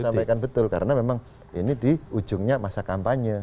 saya sampaikan betul karena memang ini di ujungnya masa kampanye